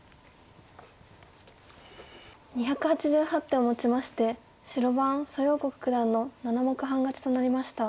２８８手をもちまして白番蘇耀国九段の７目半勝ちとなりました。